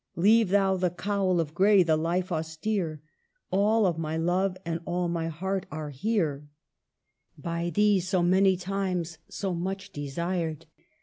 Leave thou the cowl of gray, the life austere ; All of my love and all my heart are here, By thee so many times, so much desired.